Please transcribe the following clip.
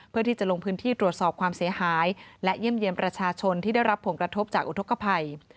เพื่อที่จะลงพื้นที่ตรวจสอบความเสียหายและเยี่ยมเยี่ยมประชาชนที่ได้รับผลกระทบจากอุทธกภัย